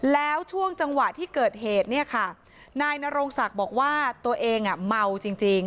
แล้วช่วงจังหวะที่เกิดเหตุเนี่ยค่ะนายนโรงศักดิ์บอกว่าตัวเองเมาจริง